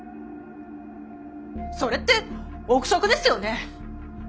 それって臆測ですよね？